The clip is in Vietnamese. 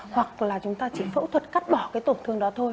hoặc là chúng ta chỉ phẫu thuật cắt bỏ cái tổn thương đó thôi